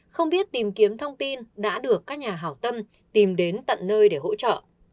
không biết tìm kiếm thông tin đã được các nhà hảo tâm tìm đến tận nơi để hỗ trợ